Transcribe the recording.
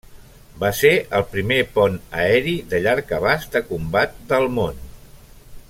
Va ser el primer pont aeri de llarg abast de combat del món.